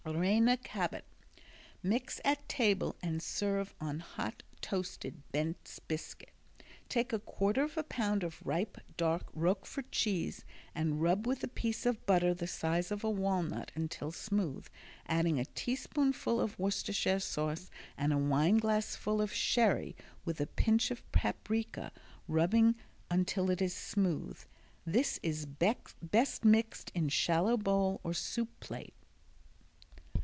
Reina Cabot Mix at table and serve on hot, toasted Bent's biscuit. Take a quarter of a pound of ripe, dark Roquefort cheese and rub with a piece of butter the size of a walnut until smooth, adding a teaspoonful of Worcestershire sauce and a wineglassful of sherry, with a pinch of paprika, rubbing until it is smooth. This is best mixed in shallow bowl or soup plate.